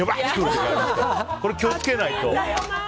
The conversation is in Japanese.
気を付けないと。